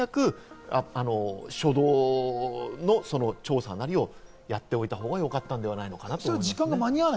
もっと早く初動の調査なりをやっておいたほうがよかったんじゃないかと思います。